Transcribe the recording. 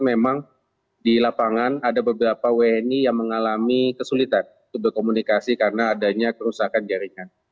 memang di lapangan ada beberapa wni yang mengalami kesulitan untuk berkomunikasi karena adanya kerusakan jaringan